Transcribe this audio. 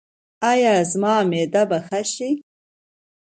ایا زما معده به ښه شي؟